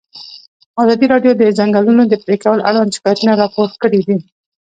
ازادي راډیو د د ځنګلونو پرېکول اړوند شکایتونه راپور کړي.